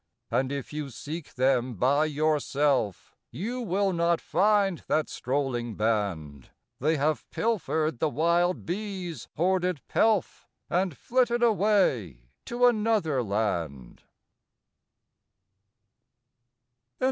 19 And if you seek them by yourself You will not find that strolling band ; They have pilfered the wild bees' hoarded pdf, And flitted away to another land.